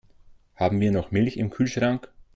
Haben wir noch Milch im Kühlschrank?